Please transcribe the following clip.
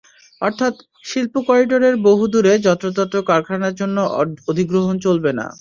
অর্থাৎ শিল্প করিডোরের বহু দূরে যত্রতত্র কারখানার জন্য অধিগ্রহণ চলবে না।